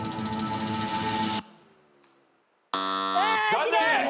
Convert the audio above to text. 残念！